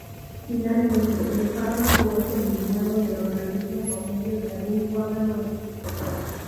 Finalmente, el fármaco es eliminado del organismo por medio de algún órgano excretor.